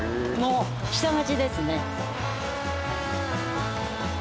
下町ですね。